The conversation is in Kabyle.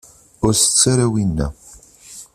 Ur tett ara winna.